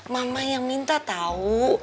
mama yang minta tau